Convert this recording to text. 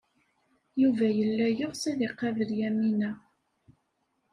Yuba yella yeɣs ad iqabel Yamina.